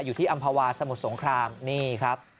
อยู่ที่อำภาวาสมุทรสงครามนี่ครับ